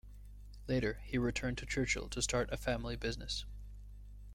Later, he returned to Churchill to start a family business.